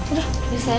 udah ini saya